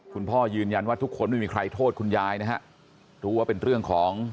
คุณพ่อยืนยันว่าทุกคนไม่มีใครโทษคุณยายนะฮะรู้ว่าเป็นเรื่องของ